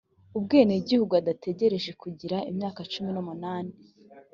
ubwenegihugu adategereje kugira imyaka cumi n umunani